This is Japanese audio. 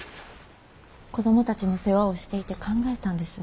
子供たちの世話をしていて考えたんです。